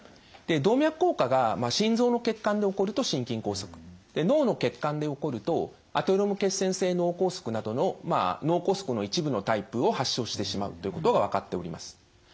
動脈硬化が心臓の血管で起こると心筋梗塞脳の血管で起こるとアテローム血栓性脳梗塞などの脳梗塞の一部のタイプを発症してしまうということが分かっております。